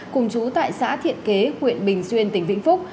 cùng chú tại xã thiện kế huyện bình xuyên tỉnh vĩnh phúc